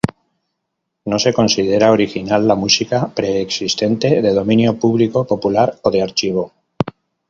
No se considera original la música preexistente, de dominio público, popular o de archivo.